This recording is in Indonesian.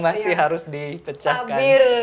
masih harus dipecahkan